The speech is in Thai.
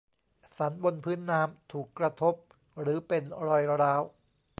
สันบนพื้นน้ำ ถูกกระทบ หรือเป็นรอยร้าว